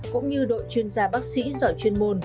cũng như đội chuyên gia bác sĩ giỏi chuyên môn